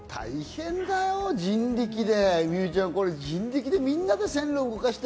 大変だよ、人力で。